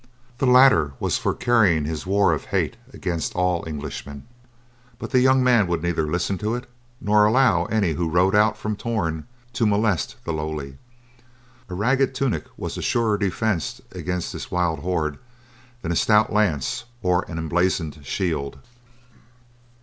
The latter was for carrying his war of hate against all Englishmen, but the young man would neither listen to it, nor allow any who rode out from Torn to molest the lowly. A ragged tunic was a surer defence against this wild horde than a stout lance or an emblazoned shield.